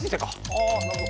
ああなるほど。